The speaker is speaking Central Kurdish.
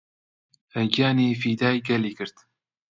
گیانی فیدای گەلی کرد